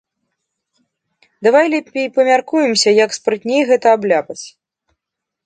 Давай лепей памяркуемся, як спрытней гэта абляпаць.